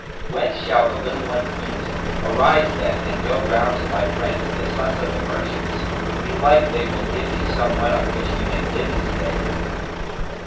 Whence shall the little ones eat? Arise then, go round to thy friends, the sons of the merchants: belike they will give thee somewhat on which we may live this day."